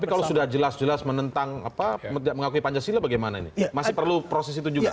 tapi kalau sudah jelas jelas mengakui pancasila bagaimana ini masih perlu proses itu juga